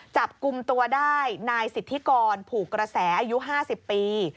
จับกลุ่มตัวได้นายสิทธิกรผูกกระแสอายุ๕๐ปี